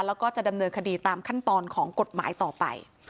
แล้วก็จะดำเนินคดีตามขั้นตอนของกฎหมายต่อไป